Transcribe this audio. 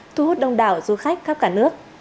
thu hút đông đảo du khách khắp cả nước